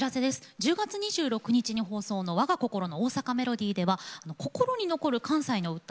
１０月２６日に放送の「わが心の大阪メロディー」では「心に残る関西の歌」